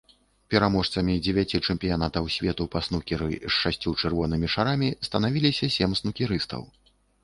Пераможцамі дзевяці чэмпіянатаў свету па снукеры з шасцю чырвонымі шарамі станавіліся сем снукерыстаў.